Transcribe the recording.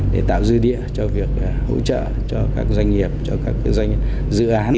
để tạo dư địa cho việc hỗ trợ cho các doanh nghiệp cho các dự án